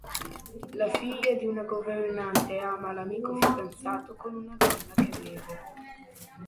La figlia di una governante ama l'amico fidanzato con una donna che beve.